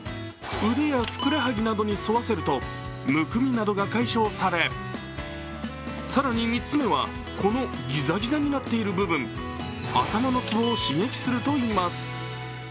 腕やふくらはぎなどに沿わせるとむくみなどが解消され、更に３つ目は、このギザギザになっている部分、頭のツボを刺激するといいます。